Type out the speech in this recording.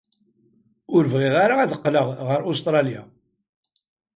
Ur bɣiɣ ara ad qqleɣ ɣer Ustṛalya.